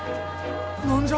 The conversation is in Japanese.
何じゃ？